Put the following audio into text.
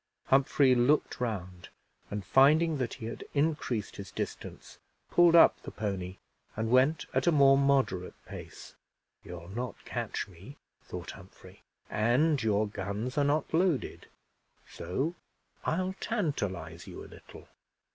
Humphrey looked round, and finding that he had increased his distance, pulled up the pony, and went at a more moderate pace. "You'll not catch me," thought Humphrey; "and your guns are not loaded, so I'll tantalize you a little."